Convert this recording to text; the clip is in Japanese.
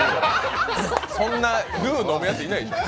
そんなルー飲めるやついないでしょ。